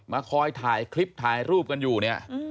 คอยถ่ายคลิปถ่ายรูปกันอยู่เนี่ย